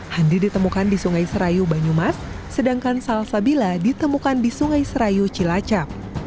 handi ditemukan di sungai serayu banyumas sedangkan salsabila ditemukan di sungai serayu cilacap